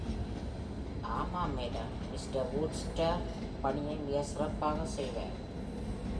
ஆமாம், madam, Mr. Wooster பணியை மிகச் சிறப்பாக செய்வார்.